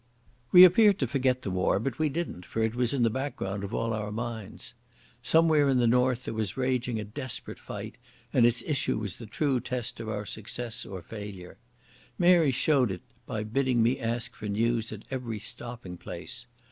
We appeared to forget the war, but we didn't, for it was in the background of all our minds. Somewhere in the north there was raging a desperate fight, and its issue was the true test of our success or failure. Mary showed it by bidding me ask for news at every stopping place.